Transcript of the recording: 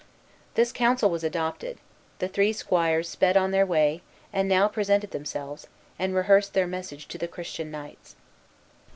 This counsel was adopted; the three squires sped on their way; and now presented themselves, and rehearsed their message to the Christian knights.